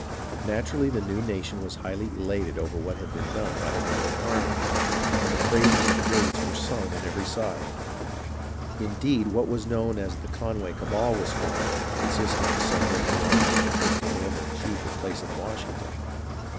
Naturally the new nation was highly elated over what had been done by the northern army ; and the praises of Gates were sung on every side. Indeed, what was known as the Conway Cabal was formed, consisting of some men who wanted to make him commander in chief in place of Washington.